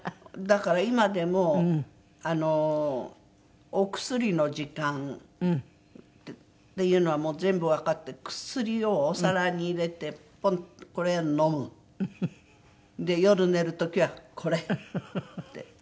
だから今でもあのお薬の時間っていうのはもう全部わかって薬をお皿に入れてポンって「これ飲む」。で夜寝る時は「これ」って。